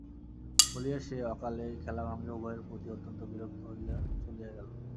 বলিয়া সে অকালে খেলাভঙ্গে উভয়ের প্রতি অত্যন্ত বিরক্ত হইয়া চলিয়া গেল।